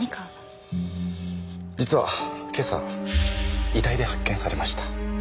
実は今朝遺体で発見されました。